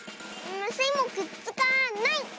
スイもくっつかない！